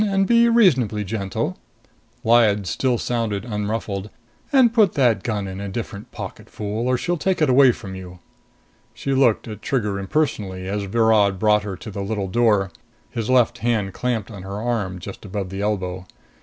And be reasonably gentle." Lyad still sounded unruffled. "And put that gun in a different pocket, fool, or she'll take it away from you." She looked at Trigger impersonally as Virod brought her to the little door, his left hand clamped on her arm just above the elbow.